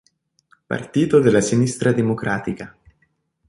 Partito della Sinistra Democratica